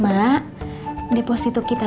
maka depositu kita